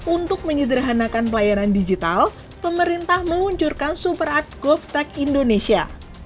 untuk menyederhanakan pelayanan digital pemerintah meluncurkan super art golftech indonesia